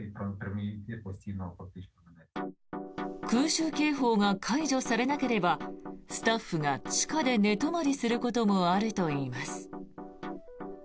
空襲警報が解除されなければスタッフが地下で寝泊まりすることもあるといいます。